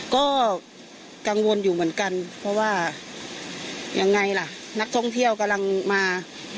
ก็กังวลอยู่เหมือนกันเพราะว่ายังไงล่ะนักท่องเที่ยวกำลังมา